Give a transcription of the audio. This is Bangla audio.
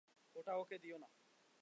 ওটা ওকে দিও না।